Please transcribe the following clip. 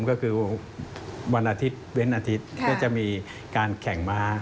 ก็คือวันอาทิตย์เว้นอาทิตย์ก็จะมีการแข่งม้า